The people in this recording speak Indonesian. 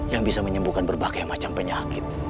yang bisa menyembuhkan berbagai macam penyakit